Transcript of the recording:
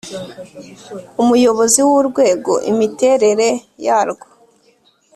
umuyobozi w urwego imiterere yarwo